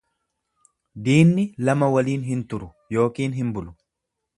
Diinni lama waliin hin turu ykn hin bulu.